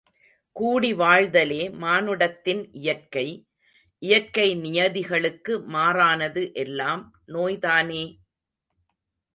கூடி வாழ்தலே மானுடத்தின் இயற்கை இயற்கை நியதிகளுக்கு மாறானது எல்லாம் நோய்தானே!